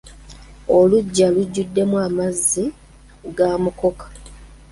Oluggya lujjuddemu amazzi ga mukoka.